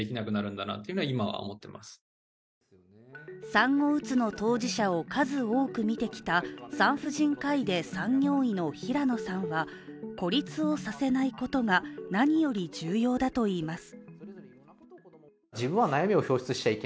産後うつの当事者を数多く見てきた産婦人科医で産業医の平野さんは孤立をさせないことが何より重要だといいます。